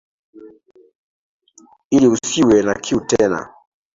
Ili usiwe na kiu tena.